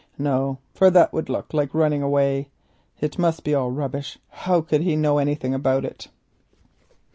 No, for that would look like running away. It must be all rubbish; how could he know anything about it?"